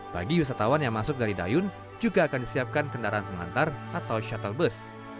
bagi wisatawan yang masuk dari dayun juga akan disiapkan kendaraan pengantar atau shuttle bus